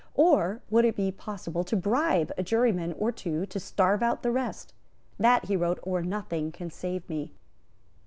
Or would it be possible to bribe a juryman or two to starve out the rest? "That," he wrote, "or nothing can save me."